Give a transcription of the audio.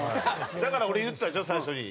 だから俺言ったでしょ最初に。